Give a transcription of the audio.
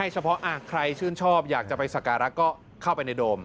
เฉพาะใครชื่นชอบอยากจะไปสักการะก็เข้าไปในโดม